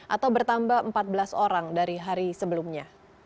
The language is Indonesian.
atau bertambah empat belas orang dari hari sebelumnya